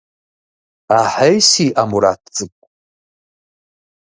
Ахьей сиӀэ, Мурат цӀыкӀу.